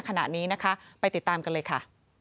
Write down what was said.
ขณะนี้นะคะไปติดตามกันเลยค่ะ